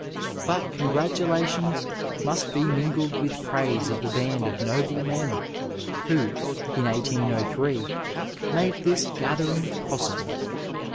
But congratulations must be mingled with praise of the band of noble men who, in 180S, made this gathering possible.